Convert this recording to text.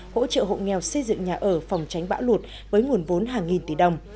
hỗ trợ hộ nghèo xây dựng nhà ở phòng tránh bão lụt với nguồn vốn hàng nghìn tỷ đồng